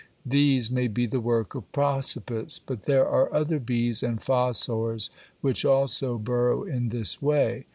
These may be the work of Prosopis, but there are other bees and fossors which also burrow in this way.